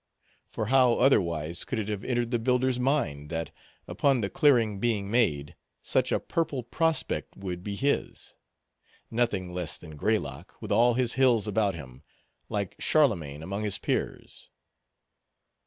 For how, otherwise, could it have entered the builder's mind, that, upon the clearing being made, such a purple prospect would be his?—nothing less than Greylock, with all his hills about him, like Charlemagne among his peers.